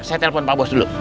saya telpon pak bos dulu